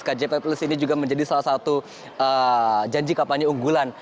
kjp plus ini juga menjadi salah satu janji kampanye unggulan